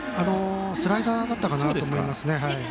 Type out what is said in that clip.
スライダーだったかなと思いますね。